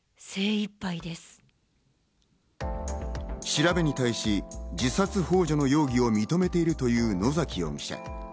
調べに対し、自殺ほう助の容疑を認めているという野崎容疑者。